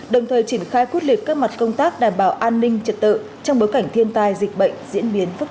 đồng thời triển khai quyết liệt các mặt công tác đảm bảo an ninh trật tự trong bối cảnh thiên tai dịch bệnh diễn biến phức tạp